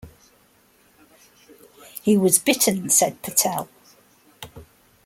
"He was bitten," said Patel.